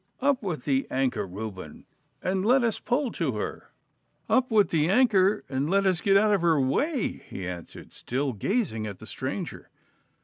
Up with the anchor, Reuben, and let us pull to her.' 'Up with the anchor and let us get out of her way,' he answered, still gazing at the stranger.